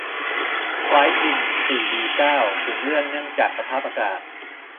ไฟลท์บิน สี่บีเก้าถูกเลื่อนเนื่องจากสภาพอากาศ